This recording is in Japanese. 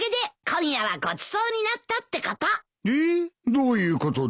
どういうことだ？